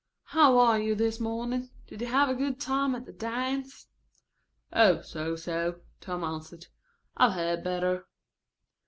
"How are you this morning? Did you have a good time at the dance?" "Oh, so so," Tom answered. "I've had better."